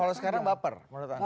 kalau sekarang baper menurut anda